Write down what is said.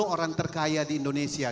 empat puluh orang terkaya di indonesia